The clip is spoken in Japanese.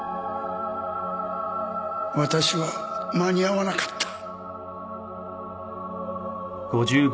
私は間に合わなかった。